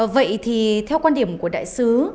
vậy thì theo quan điểm của đại sứ